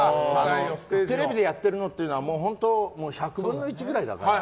テレビでやってるのは１００分の１くらいだから。